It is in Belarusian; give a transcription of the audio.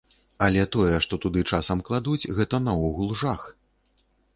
Але тое, што туды часам кладуць, гэта наогул жах.